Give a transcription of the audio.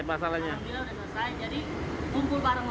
alhamdulillah sudah selesai jadi kumpul bareng lagi